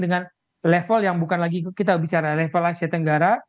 dengan level yang bukan lagi kita bicara level asia tenggara